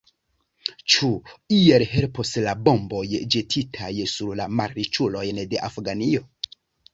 Ĉu iel helpos la bomboj ĵetitaj sur la malriĉulojn de Afganio?